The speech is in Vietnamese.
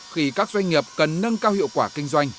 khi các doanh nghiệp cần nâng cao hiệu quả kinh doanh